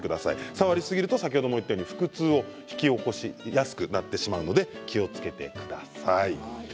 触りすぎると先ほど言ったように腹痛を引き起こしやすくなってしまうので気をつけてください。